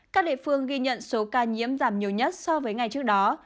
các địa phương ghi nhận số ca nhiễm giảm nhiều nhất so với ngày trước đó